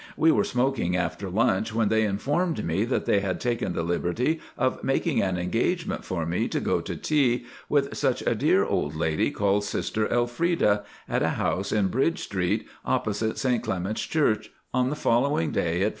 We were smoking after lunch when they informed me that they had taken the liberty of making an engagement for me to go to tea with such a dear old lady called Sister Elfreda at a house in Bridge Street, opposite St Clement's Church, on the following day at 4.